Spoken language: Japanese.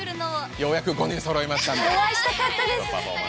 ようやくそろいましたので。